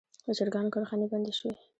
د چرګانو کارخانې بندې شوي.